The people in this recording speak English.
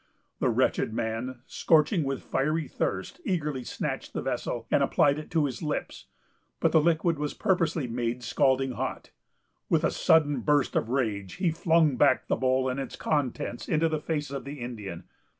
The wretched man, scorching with fiery thirst, eagerly snatched the vessel, and applied it to his lips; but the liquid was purposely made scalding hot. With a sudden burst of rage, he flung back the bowl and its contents into the face of the Indian.